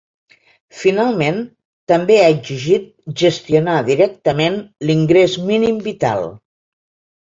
Finalment, també ha exigit gestionar directament l’ingrés mínim vital.